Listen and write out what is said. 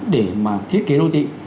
để mà thiết kế đô thị